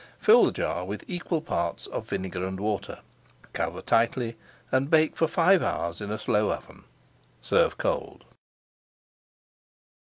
Fill the jar with equal parts of vinegar and water, cover tightly, and bake for five hours in a slow oven. Serve cold.